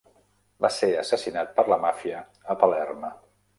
Va ser assassinat per la màfia a Palerm.